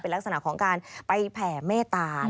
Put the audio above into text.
ลักษณะของการไปแผ่เมตตา